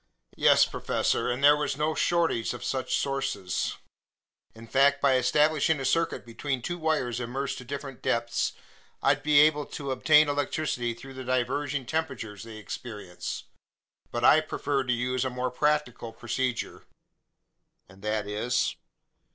"Yes, professor, and there was no shortage of such sources. In fact, by establishing a circuit between two wires immersed to different depths, I'd be able to obtain electricity through the diverging temperatures they experience; but I preferred to use a more practical procedure." "And that is?"